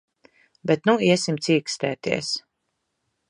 Bet nu iesim cīkstēties.